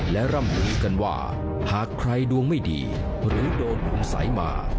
และล่ำหนูลิกันว่าหากใครดวงไม่ดีหรือโดนฝุ่มไสมา